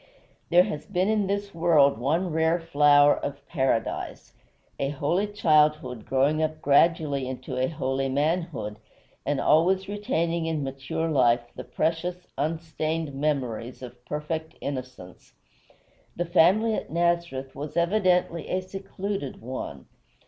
There has been in this world one rare flower of Paradise, a holy childhood growing up gradually into a holy manhood, and always retaining in mature life the precious, unstained memories of perfect innocence. The family at Nazareth was evidently a secluded one.